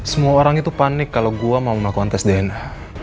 semua orang itu panik kalau gue mau melakukan tes dna